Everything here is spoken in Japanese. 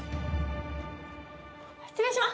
失礼します！